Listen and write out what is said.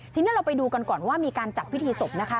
ทีนี้เราไปดูกันก่อนว่ามีการจัดพิธีศพนะคะ